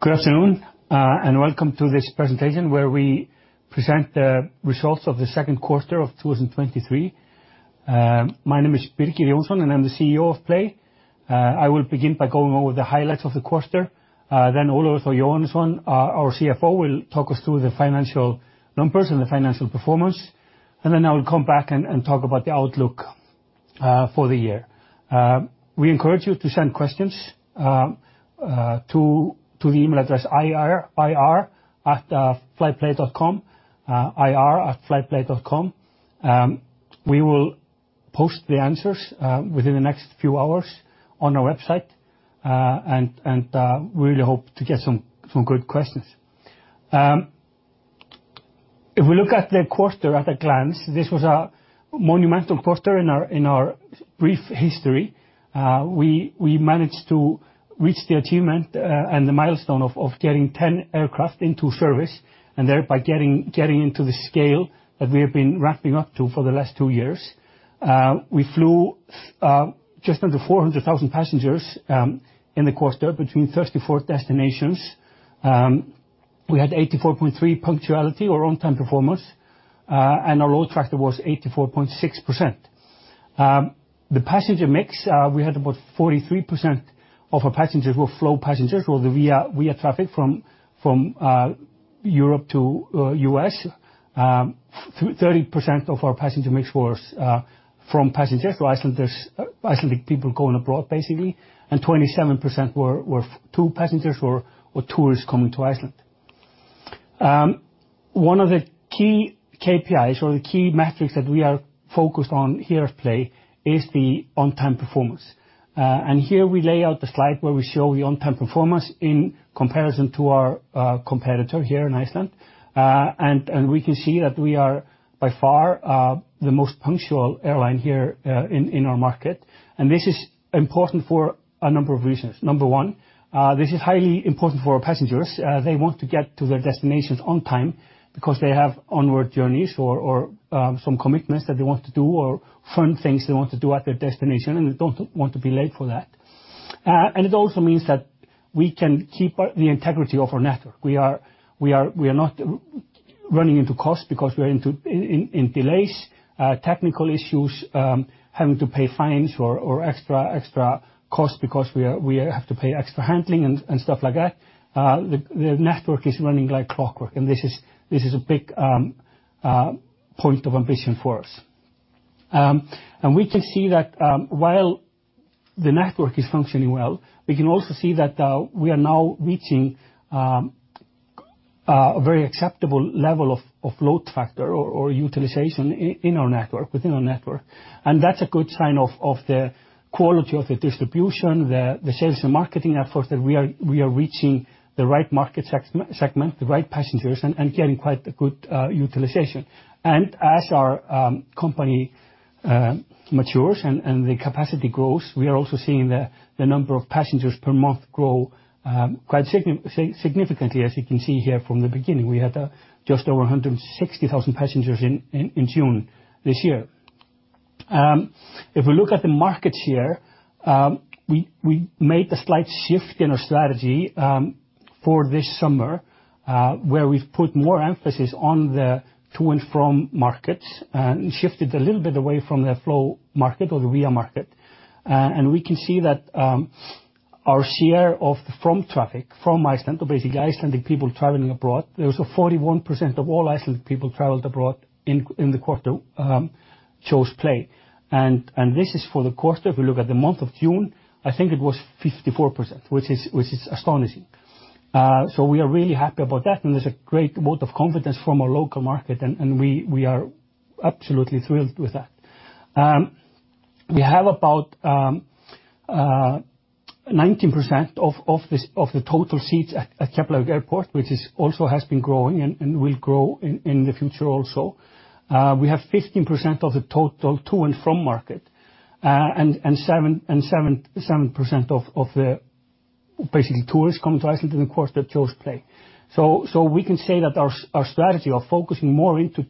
Good afternoon, and welcome to this presentation where we present the results of the Q2 of 2023. My name is Birgir Jónsson, and I'm the CEO of Play. I will begin by going over the highlights of the quarter. Then Ólafur Þór Jóhannesson, our CFO, will talk us through the financial numbers and the financial performance, and then I will come back and talk about the outlook for the year. We encourage you to send questions to the email address, IR@flyplay.com, ir@flyplay.com. We will post the answers within the next few hours on our website, and we really hope to get some good questions. If we look at the quarter at a glance, this was a monumental quarter in our brief history. We managed to reach the achievement and the milestone of getting 10 aircraft into service and thereby getting into the scale that we have been ramping up to for the last two years. We flew just under 400,000 passengers in the quarter between 34 destinations. We had 84.3% punctuality or on-time performance, and our load factor was 84.6%. The passenger mix, we had about 43% of our passengers were flow passengers, or the via traffic from Europe to U.S. 30% of our passenger mix was from passengers, so Icelanders, Icelandic people going abroad, basically, and 27% were two passengers or tourists coming to Iceland. One of the key KPIs or the key metrics that we are focused on here at Play is the on-time performance. Here we lay out the slide where we show the on-time performance in comparison to our competitor here in Iceland. We can see that we are by far the most punctual airline here in our market, and this is important for a number of reasons. Number one, this is highly important for our passengers. They want to get to their destinations on time because they have onward journeys or some commitments that they want to do, or fun things they want to do at their destination and don't want to be late for that. It also means that we can keep the integrity of our network. We are not running into costs because we are into delays, technical issues, having to pay fines or extra costs because we have to pay extra handling and stuff like that. The network is running like clockwork, and this is a big point of ambition for us. We can see that, while the network is functioning well, we can also see that we are now reaching a very acceptable level of load factor or utilization in our network, within our network. That's a good sign of the quality of the distribution, the sales and marketing efforts, that we are reaching the right market segment, the right passengers, and getting quite a good utilization. As our company matures and the capacity grows, we are also seeing the number of passengers per month grow quite significantly, as you can see here from the beginning. We had just over 160,000 passengers in June this year. If we look at the market share, we made a slight shift in our strategy for this summer, where we've put more emphasis on the to and from markets and shifted a little bit away from the flow market or the VIA market. We can see that our share of the from traffic, from Iceland to basically Icelandic people traveling abroad, there was a 41% of all Iceland people traveled abroad in the quarter chose Play. This is for the quarter. If we look at the month of June, I think it was 54%, which is astonishing. We are really happy about that, and there's a great vote of confidence from our local market, and we are absolutely thrilled with that. We have about 19% of this, of the total seats at Keflavik Airport, which is also has been growing and will grow in the future also. We have 15% of the total to and from market, and 7% of the basically, tourists coming to Iceland in the quarter chose Play. We can say that our strategy of focusing more into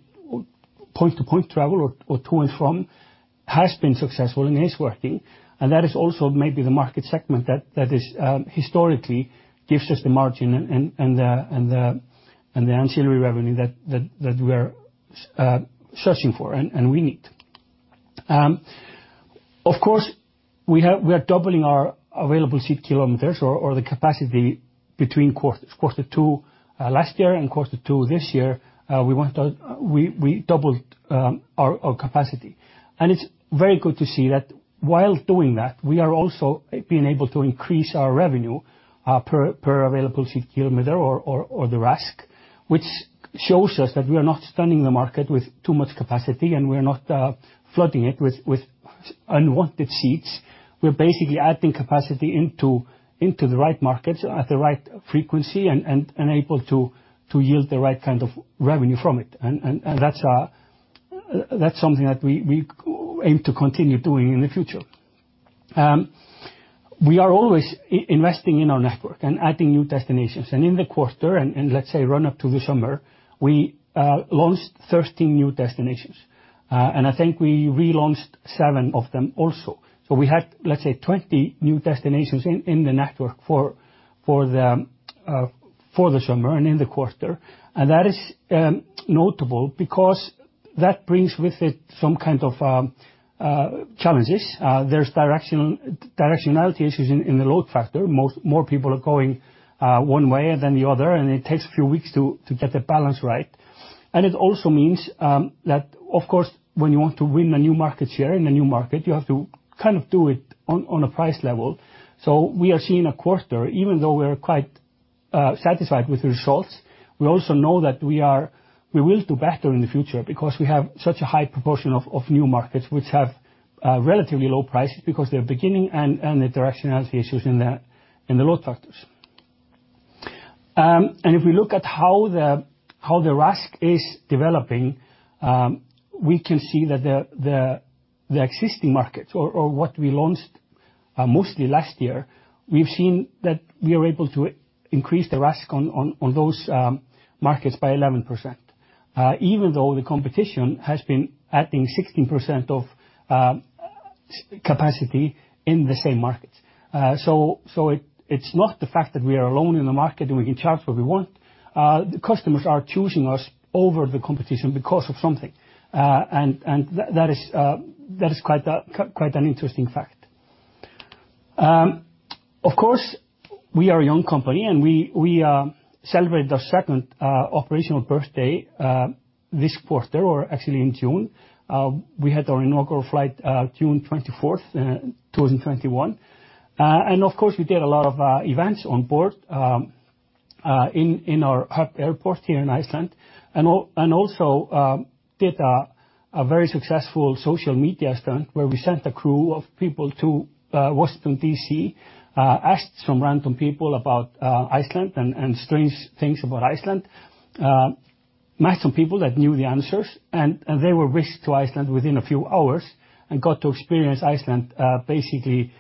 point-to-point travel or to and from has been successful and is working, and that is also maybe the market segment that is historically gives us the margin and the ancillary revenue that we are searching for, and we need. Of course, we are doubling our available seat kilometers or the capacity between quarters. Q2 last year, and Q2 this year, we doubled our capacity. It's very good to see that while doing that, we are also being able to increase our revenue per available seat kilometer or the RASK, which shows us that we are not stunning the market with too much capacity, and we are not flooding it with unwanted seats. We're basically adding capacity into the right markets at the right frequency and able to yield the right kind of revenue from it. That's something that we aim to continue doing in the future. We are always investing in our network and adding new destinations. In the quarter, and let's say run up to the summer, we launched 13 new destinations, and I think we relaunched 7 of them also. We had, let's say, 20 new destinations in the network for the summer and in the quarter, and that is notable because that brings with it some kind of challenges. There's directional, directionality issues in the load factor. More people are going one way than the other, and it takes a few weeks to get the balance right. It also means that of course, when you want to win a new market share in a new market, you have to kind of do it on a price level. We are seeing a quarter, even though we are quite satisfied with the results, we also know that we will do better in the future, because we have such a high proportion of new markets which have relatively low prices because they're beginning and the directionality issues in the load factors. If we look at how the RASK is developing, we can see that the existing markets or what we launched mostly last year, we've seen that we are able to increase the RASK on those markets by 11%. Even though the competition has been adding 16% of capacity in the same markets. It's not the fact that we are alone in the market, and we can charge what we want. The customers are choosing us over the competition because of something. That is quite a, quite an interesting fact. Of course, we are a young company, and we celebrated our second operational birthday this quarter, or actually in June. We had our inaugural flight June 24th, 2021. Of course, we did a lot of events on board in our hub airport here in Iceland. Also did a very successful social media stunt where we sent a crew of people to Washington, D.C., asked some random people about Iceland and strange things about Iceland. Met some people that knew the answers, and they were whisked to Iceland within a few hours and got to experience Iceland, basically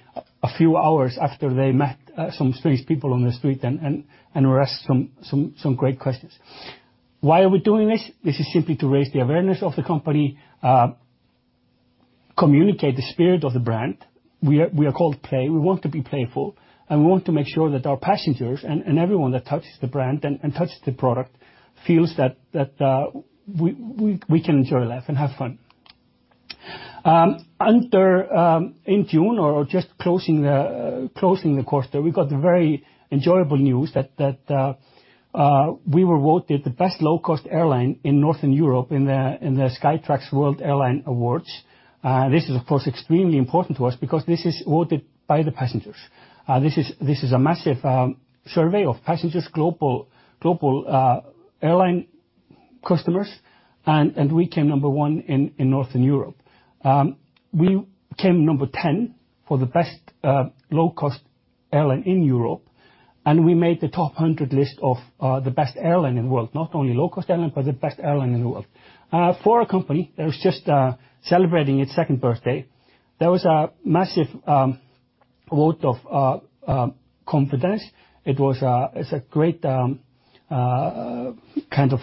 a few hours after they met some strange people on the street and were asked some great questions. Why are we doing this? This is simply to raise the awareness of the company, communicate the spirit of the brand. We are called Play. We want to be playful, and we want to make sure that our passengers and everyone that touches the brand and touches the product, feels that we can enjoy life and have fun. In June, or just closing the quarter, we got the very enjoyable news that we were voted the best low-cost airline in Northern Europe in the Skytrax World Airline Awards. This is, of course, extremely important to us because this is voted by the passengers. This is a massive survey of passengers, global airline customers, and we came number one in Northern Europe. We came number 10 for the best low-cost airline in Europe, and we made the top 100 list of the best airline in the world, not only low-cost airline, but the best airline in the world. For a company that was just celebrating its second birthday, that was a massive vote of confidence. It was, it's a great kind of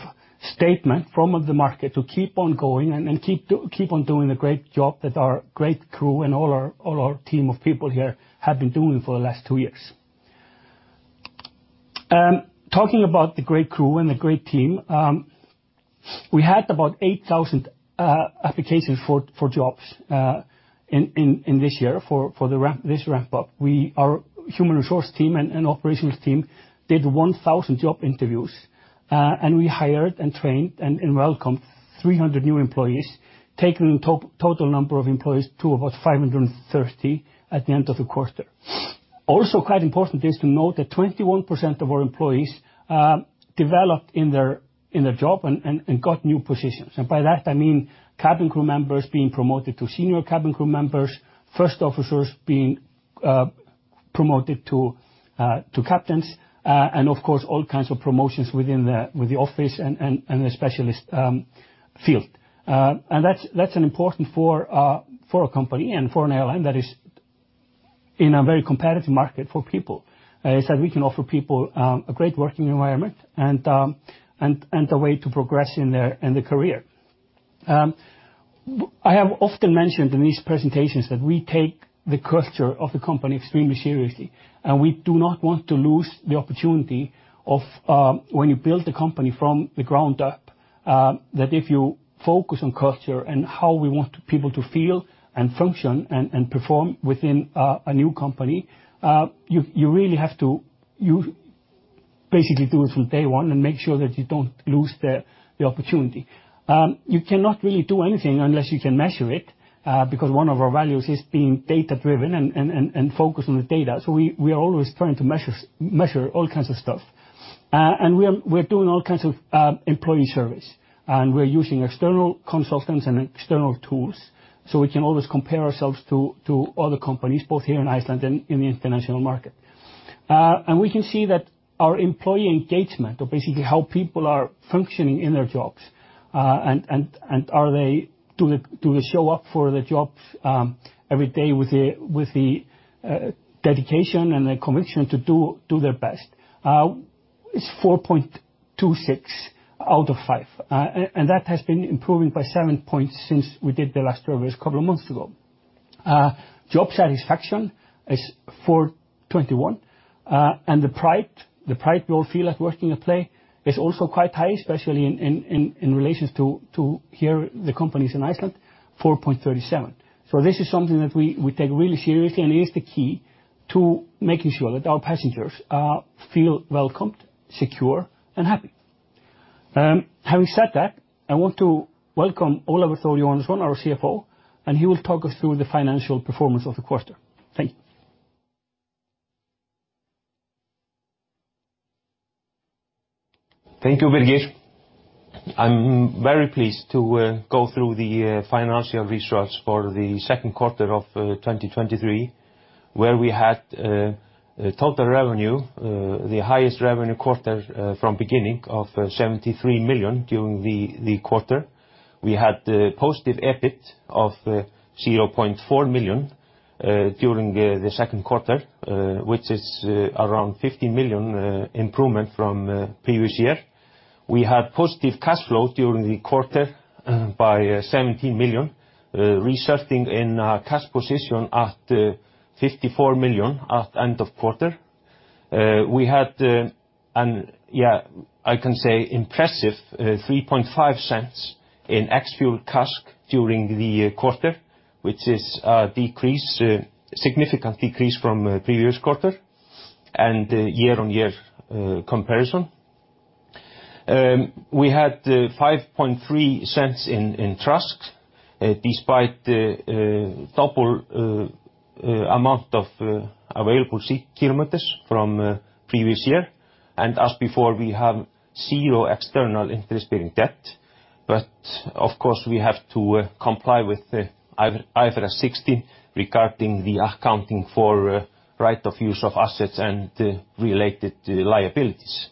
statement from the market to keep on going and keep on doing the great job that our great crew and all our team of people here have been doing for the last 2 years. Talking about the great crew and the great team, we had about 8,000 applications for jobs in this year, for the ramp, this ramp up. Our human resource team and operations team did 1,000 job interviews, and we hired and trained and welcomed 300 new employees, taking the total number of employees to about 530 at the end of the quarter. Quite important is to note that 21% of our employees developed in their job and got new positions. By that, I mean cabin crew members being promoted to senior cabin crew members, first officers being promoted to captains, and of course, all kinds of promotions within the office and the specialist field. That's an important for a company and for an airline that is in a very competitive market for people. Is that we can offer people a great working environment and a way to progress in their career. I have often mentioned in these presentations that we take the culture of the company extremely seriously, and we do not want to lose the opportunity of when you build the company from the ground up, that if you focus on culture and how we want people to feel and function and perform within a new company, you really have to. You basically do it from day one and make sure that you don't lose the opportunity. You cannot really do anything unless you can measure it, because one of our values is being data-driven and focused on the data. We are always trying to measure all kinds of stuff. We are, we're doing all kinds of employee surveys, and we're using external consultants and external tools, so we can always compare ourselves to other companies, both here in Iceland and in the international market. We can see that our employee engagement, or basically how people are functioning in their jobs, and are they, do they show up for the jobs every day with the dedication and the conviction to do their best? It's 4.26 out of 5. That has been improving by 7 points since we did the last survey a couple of months ago. Job satisfaction is 4.21. The pride people feel like working at Play is also quite high, especially in relations to here, the companies in Iceland, 4.37. This is something that we take really seriously, and is the key to making sure that our passengers feel welcomed, secure, and happy. Having said that, I want to welcome Ólafur Þór Jóhannesson, our CFO, and he will talk us through the financial performance of the quarter. Thank you. Thank you, Birgir. I'm very pleased to go through the financial results for the Q2 of 2023, where we had a total revenue, the highest revenue quarter, from beginning of $73 million during the quarter. We had a positive EBIT of $0.4 million during the Q2, which is around $50 million improvement from previous year. We had positive cash flow during the quarter, by $17 million, resulting in a cash position at $54 million at end of quarter. Yeah, I can say impressive 3.5 cents in ex-fuel CASK during the quarter, which is a decrease, significant decrease from previous quarter, and year-on-year comparison. We had $0.053 in TRASK despite the double amount of available seat kilometers from previous year. As before, we have 0 external interest-bearing debt. Of course, we have to comply with the IFRS 16 regarding the accounting for right-of-use assets and the related liabilities.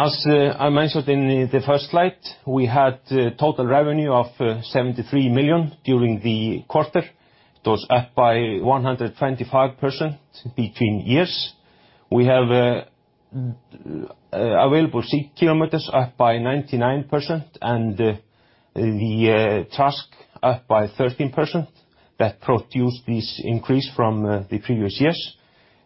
As I mentioned in the first slide, we had total revenue of $73 million during the quarter. It was up by 125% between years. We have available seat kilometers up by 99%, and the TRASK up by 13%, that produced this increase from the previous years.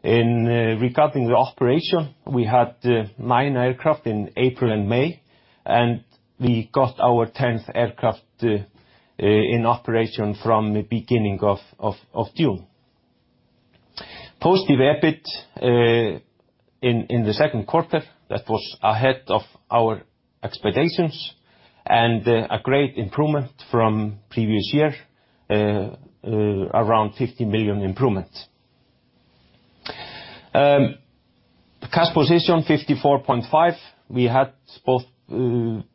Regarding the operation, we had 9 aircraft in April and May, and we got our 10th aircraft in operation from the beginning of June. Positive EBIT in the Q2, that was ahead of our expectations, and a great improvement from previous year, around $50 million improvement. Cash position $54.5. We had both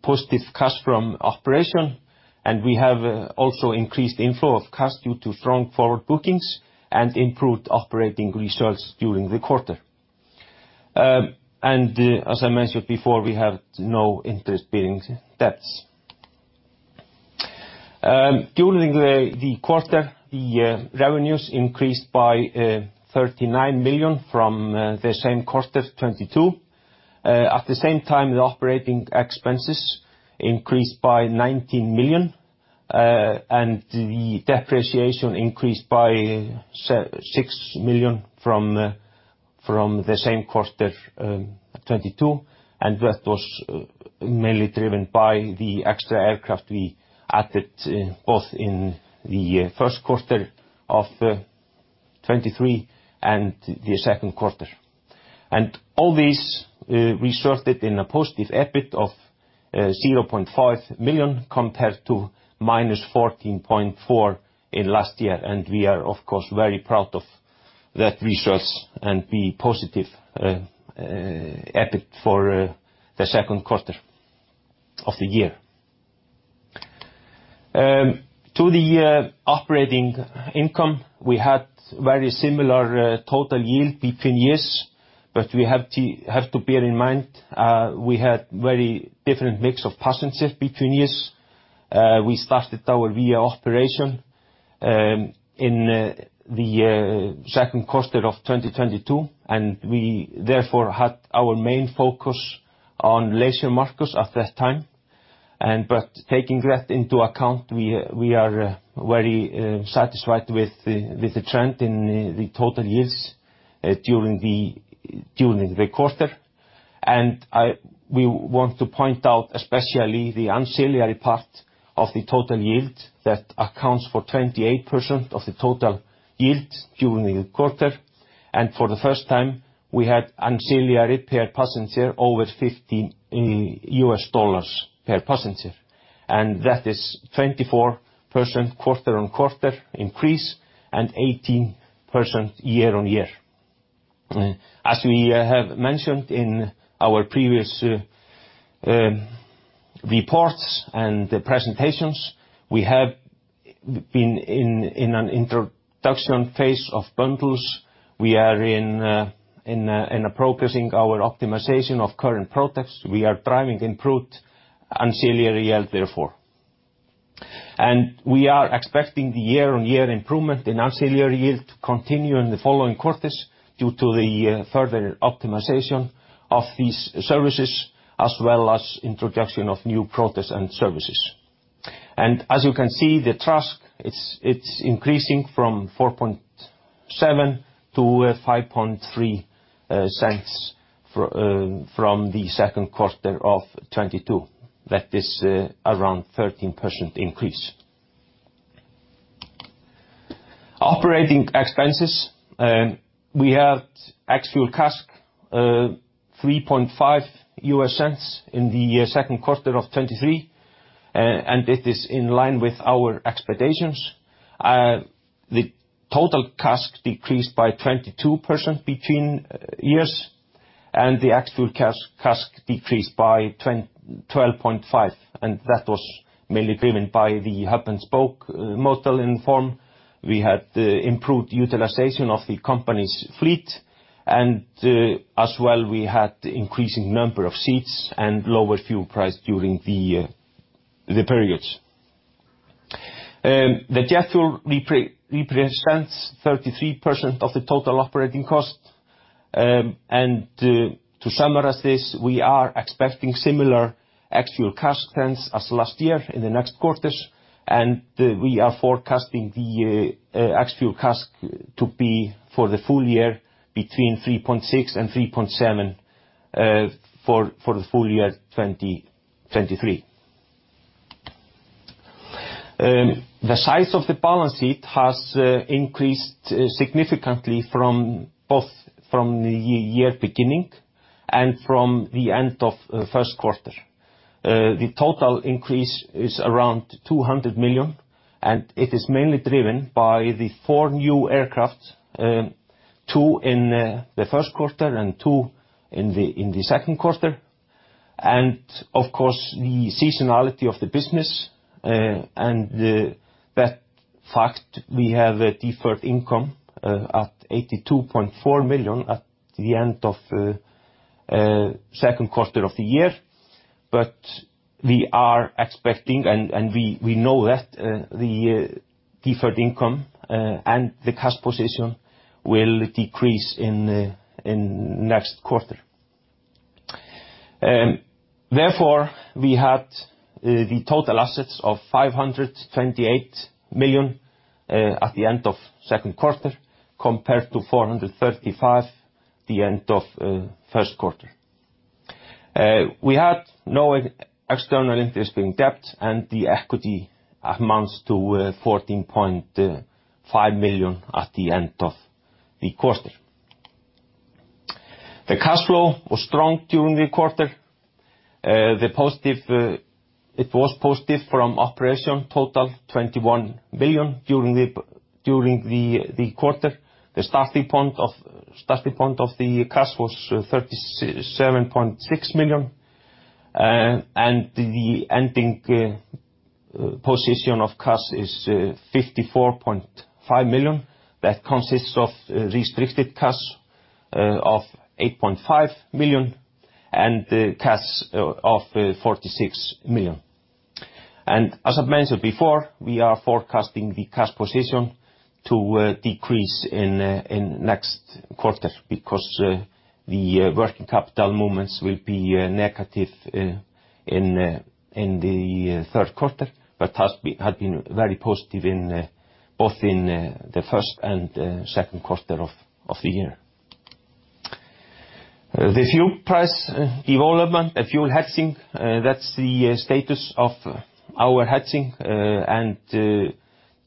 positive cash from operation, and we have also increased inflow of cash due to strong forward bookings, and improved operating results during the quarter. As I mentioned before, we have no interest-bearing debts. During the quarter, the revenues increased by $39 million from the same quarter of 2022. At the same time, the operating expenses increased by $19 million, and the depreciation increased by $6 million from the same quarter 2022, and that was mainly driven by the extra aircraft we added both in the first quarter of 2023 and the Q2. All these resulted in a positive EBIT of $0.5 million, compared to -$14.4 million in last year. We are, of course, very proud of that results and the positive EBIT for the Q2 of the year. To the operating income, we had very similar total yield between years. We have to bear in mind, we had very different mix of passengers between years. We started our via operation in the Q2 of 2022, and we therefore had our main focus on leisure markets at that time. Taking that into account, we are very satisfied with the trend in the total yields during the quarter. We want to point out, especially the ancillary part of the total yield, that accounts for 28% of the total yield during the quarter. For the first time, we had ancillary per passenger, over $15 per passenger, and that is 24% quarter-on-quarter increase, and 18% year-on-year. As we have mentioned in our previous reports and presentations, we have been in an introduction phase of bundles. We are progressing our optimization of current products. We are driving improved ancillary yield, therefore. We are expecting the year-on-year improvement in ancillary yield to continue in the following quarters, due to the further optimization of these services, as well as introduction of new products and services. As you can see, the CASK, it's increasing from 4.7 to 5.3 cents from the Q2 of 2022. That is around 13% increase. Operating expenses, we had actual CASK, 3.5 US cents in the Q2 of 2023, and it is in line with our expectations. The total CASK decreased by 22% between years, and the actual CASK decreased by 12.5%, and that was mainly driven by the hub-and-spoke model in form. We had improved utilization of the company's fleet, and as well, we had the increasing number of seats and lower fuel price during the periods. The jet fuel represents 33% of the total operating cost. To summarize this, we are expecting similar actual CASK trends as last year in the next quarters, we are forecasting the actual CASK to be for the full year between 3.6 and 3.7 for the full year 2023. The size of the balance sheet has increased significantly from both from the year beginning and from the end of first quarter. The total increase is around $200 million, and it is mainly driven by the 4 new aircraft, two in the first quarter and two in the Q2, and of course, the seasonality of the business, and the that fact, we have a deferred income at $82.4 million at the end of Q2 of the year. We are expecting, and we know that the deferred income and the CASK position will decrease in next quarter. Therefore, we had the total assets of $528 million at the end of Q2, compared to $435 million, the end of first quarter. We had no external interesting debt, and the equity amounts to $14.5 million at the end of the quarter. The cash flow was strong during the quarter. The positive, it was positive from operation total $21 billion during the quarter. The starting point of the cash was $37.6 million, and the ending position of cash is $54.5 million. That consists of restricted cash of $8.5 million, and the cash of $46 million. As I've mentioned before, we are forecasting the cash position to decrease in next quarter because the working capital movements will be negative in the third quarter, but had been very positive in both in the first and Q2 of the year. The fuel price development, the fuel hedging, that's the status of our hedging.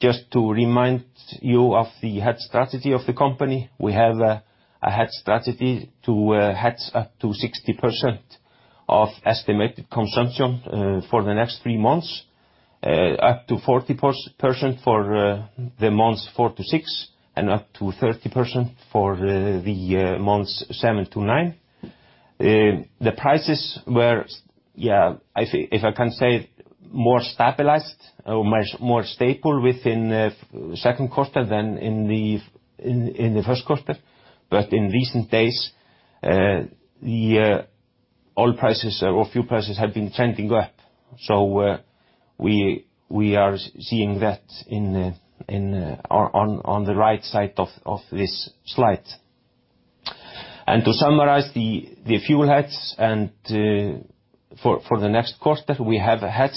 Just to remind you of the hedge strategy of the company, we have a hedge strategy to hedge up to 60% of estimated consumption for the next 3 months, up to 40% for the months 4 to 6, and up to 30% for the months 7 to 9. The prices were, yeah, I think if I can say, more stabilized or much more stable within the Q2 than in the first quarter. In recent days, the oil prices or fuel prices have been trending up. We are seeing that in, on the right side of this slide. To summarize the fuel hedge and for the next quarter, we have hedged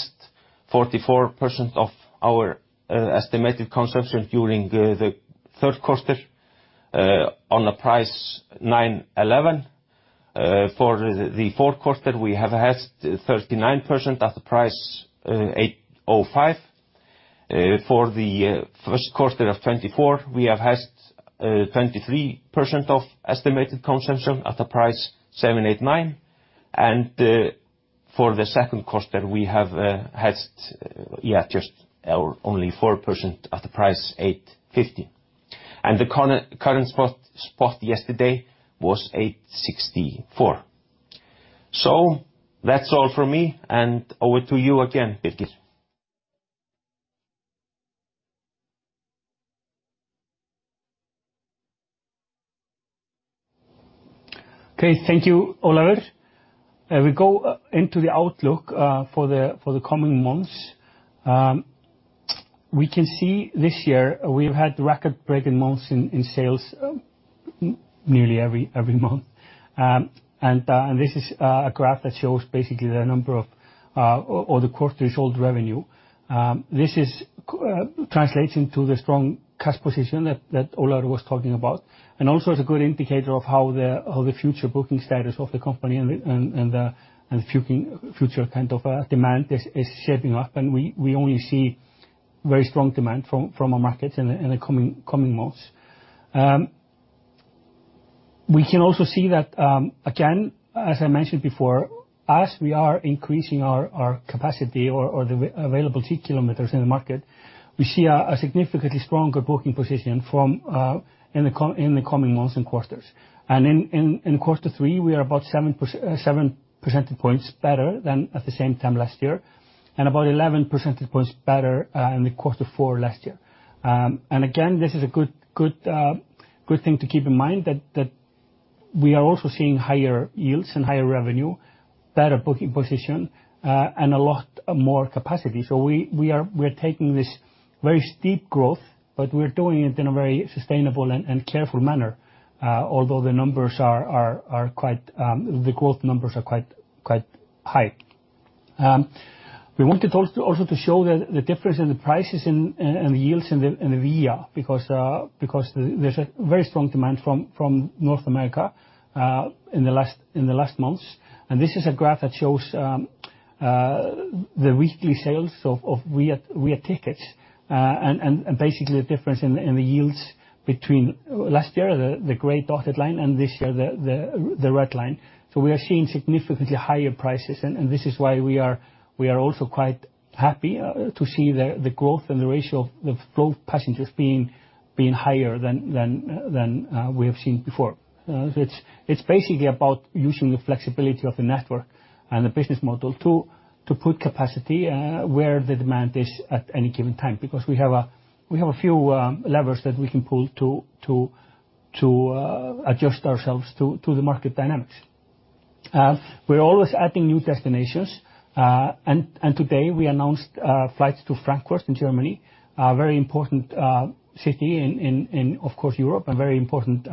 44% of our estimated consumption during the third quarter, on a price $911. For the fourth quarter, we have hedged 39% at the price $805. For the first quarter of 2024, we have hedged 23% of estimated consumption at a price $789. For the Q2 we have hedged only 4% at the price $850. The current spot yesterday was $864. That's all from me, and over to you again, Birgir. Okay. Thank you, Olafur. We go into the outlook for the coming months. We can see this year, we've had record-breaking months in sales, nearly every month. This is a graph that shows basically the number of or the quarter's total revenue. This translates into the strong cash position that Ólafur was talking about, and also is a good indicator of how the future booking status of the company and future kind of demand is shaping up. We only see very strong demand from our markets in the coming months. We can also see that, again, as I mentioned before, as we are increasing our, our capacity or, or the available seat kilometers in the market, we see a, a significantly stronger booking position from, in the coming months and quarters. In quarter 3, we are about 7 percentage points better than at the same time last year, and about 11 percentage points better, in the quarter 4 last year. Again, this is a good, good, good thing to keep in mind, that, that we are also seeing higher yields and higher revenue, better booking position, and a lot more capacity. We're taking this very steep growth, but we're doing it in a very sustainable and, and careful manner, although the numbers are quite... The growth numbers are quite high. We wanted also to show the difference in the prices and the yields in the VIA. There's a very strong demand from North America in the last months. This is a graph that shows the weekly sales of VIA tickets. Basically, the difference in the yields between last year, the gray dotted line, and this year, the red line. We are seeing significantly higher prices, and this is why we are also quite happy to see the growth and the ratio of both passengers being higher than we have seen before. It's basically about using the flexibility of the network and the business model to put capacity where the demand is at any given time. We have a few levers that we can pull to adjust ourselves to the market dynamics. We're always adding new destinations. Today, we announced flights to Frankfurt in Germany, a very important city in, of course, Europe, and very important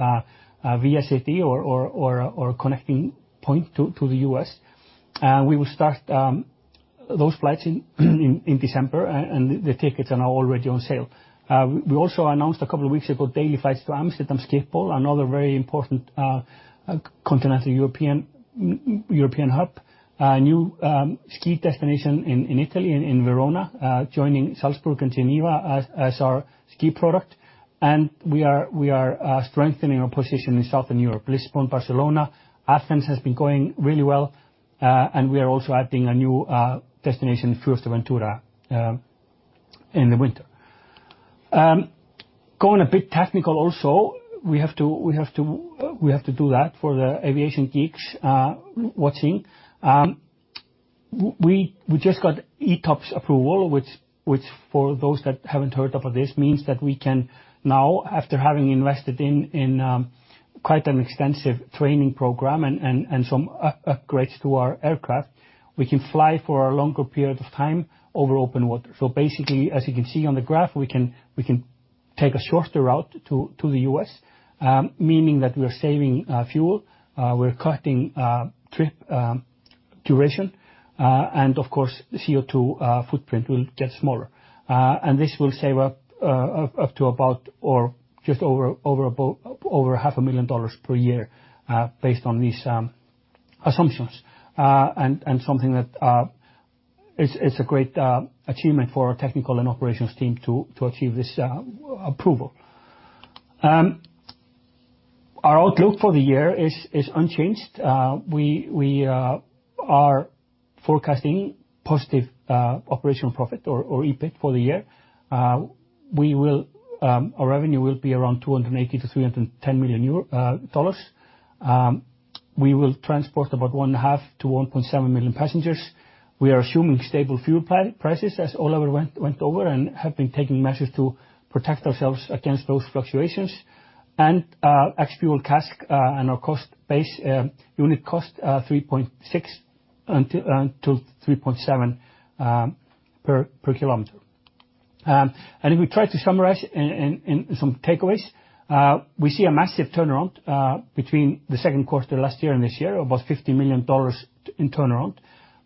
via city or connecting point to the U.S. We will start those flights in December and the tickets are now already on sale. We also announced a couple of weeks ago, daily flights to Amsterdam Schiphol, another very important continental European hub. A new ski destination in Italy, in Verona, joining Salzburg and Geneva as our ski product. We are strengthening our position in Southern Europe: Lisbon, Barcelona. Athens has been going really well, and we are also adding a new destination, Fuerteventura in the winter. Going a bit technical also, we have to do that for the aviation geeks watching. We just got ETOPS approval, which, for those that haven't heard about this, means that we can now, after having invested in quite an extensive training program and some upgrades to our aircraft, we can fly for a longer period of time over open water. Basically, as you can see on the graph, we can take a shorter route to the US, meaning that we are saving fuel, we're cutting trip duration, and of course, the CO2 footprint will get smaller. This will save up to about or just over a half a million dollars per year, based on these assumptions. Something that is a great achievement for our technical and operations team to achieve this approval. Our outlook for the year is unchanged. We are forecasting positive operational profit or EBIT for the year. Our revenue will be around $280 million-$310 million. We will transport about 1.5-1.7 million passengers. We are assuming stable fuel prices, as Ólafur went over, and have been taking measures to protect ourselves against those fluctuations. Ex-fuel CASK, and our cost base, unit cost, 3.6-3.7 per kilometer. If we try to summarize in some takeaways, we see a massive turnaround between the Q2 last year and this year, about $50 million in turnaround.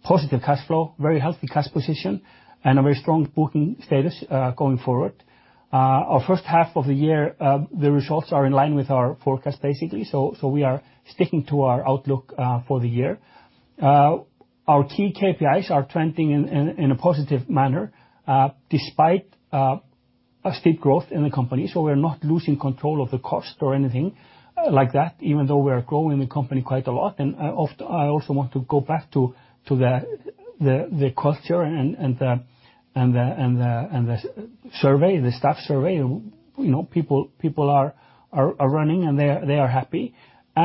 Positive cash flow, very healthy cash position, and a very strong booking status going forward. Our first half of the year, the results are in line with our forecast, basically. We are sticking to our outlook for the year. Our key KPIs are trending in a positive manner, despite a steep growth in the company. We're not losing control of the cost or anything like that, even though we are growing the company quite a lot. I also want to go back to the culture and the survey, the staff survey. You know, people are running, and they are happy.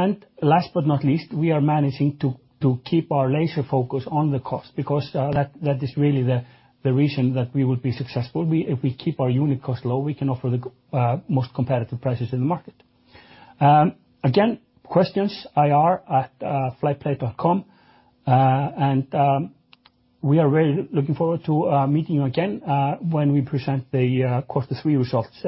Last but not least, we are managing to keep our laser focus on the cost, because that is really the reason that we would be successful. If we keep our unit cost low, we can offer the most competitive prices in the market. Again, questions, ir@flyplay.com. We are really looking forward to meeting you again, when we present the Q3 results.